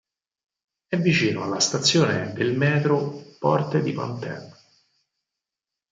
È vicino alla stazione del "Metro" "Porte de Pantin".